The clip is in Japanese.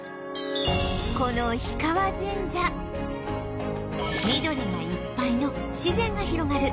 この氷川神社緑がいっぱいの自然が広がる